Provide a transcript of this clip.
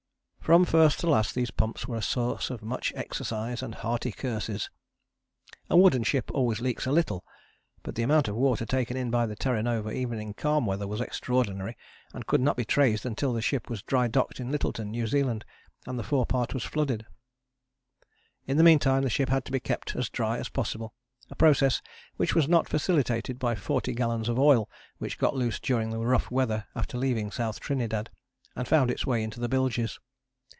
From first to last these pumps were a source of much exercise and hearty curses. A wooden ship always leaks a little, but the amount of water taken in by the Terra Nova even in calm weather was extraordinary, and could not be traced until the ship was dry docked in Lyttelton, New Zealand, and the forepart was flooded. In the meantime the ship had to be kept as dry as possible, a process which was not facilitated by forty gallons of oil which got loose during the rough weather after leaving South Trinidad, and found its way into the bilges.